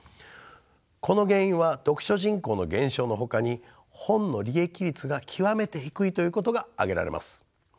この原因は読書人口の減少のほかに本の利益率が極めて低いということが挙げられます。